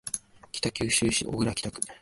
北九州市小倉北区